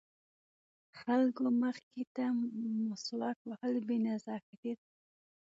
د خلکو مخې ته مسواک وهل بې نزاکتي ده.